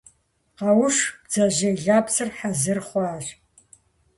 – Къэуш, бдзэжьей лэпсыр хьэзыр хъуащ.